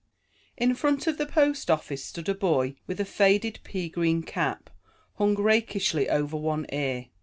In front of the post office stood a boy with a faded pea green cap, hung rakishly over one ear.